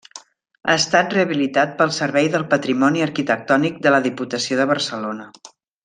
Ha estat rehabilitat pel servei del Patrimoni Arquitectònic de la Diputació de Barcelona.